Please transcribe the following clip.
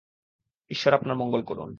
ঈশ্বর আপনার মঙ্গল করুন।